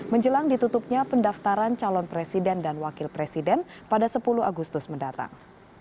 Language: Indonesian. menjelang ditutupnya pendaftaran calon presiden dan wakil presiden pada sepuluh agustus mendatang